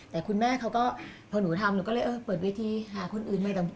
แต่คุณแม่เขาก็พอหนูทำหนูก็เลยเออเปิดเวทีหาคนอื่นใหม่